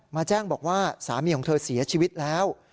มาแจ้งบอกว่าสามีของเธอเสียชีวิตแล้ว